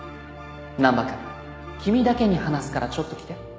難波君君だけに話すからちょっと来て。